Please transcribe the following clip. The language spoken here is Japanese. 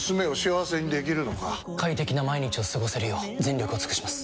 快適な毎日を過ごせるよう全力を尽くします！